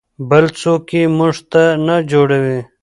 بل څوک یې موږ ته نه جوړوي.